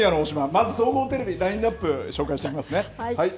まず総合テレビ、ラインナップ、紹介していきますね。